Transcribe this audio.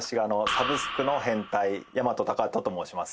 サブスクの変態大和貴人と申します